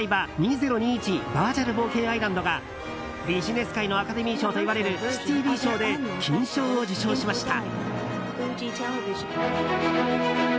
バーチャル冒険アイランド」がビジネス界のアカデミー賞といわれるスティービー賞で金賞を受賞しました。